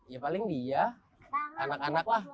ya paling dia anak anak lah